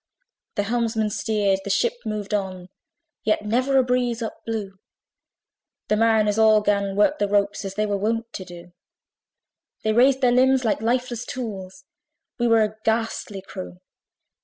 The helmsman steered, the ship moved on; Yet never a breeze up blew; The mariners all 'gan work the ropes, Where they were wont to do: They raised their limbs like lifeless tools We were a ghastly crew.